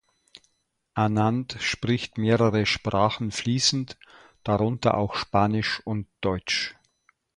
Anand spricht mehrere Sprachen fließend, darunter auch Spanisch und Deutsch.